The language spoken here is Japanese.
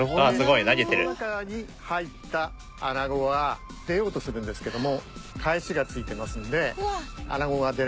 でその中に入ったアナゴは出ようとするんですけども返しがついてますのでアナゴが出られない。